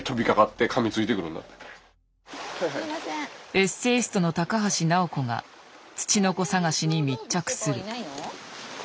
エッセイストの高橋直子がツチノコ探しに密着する。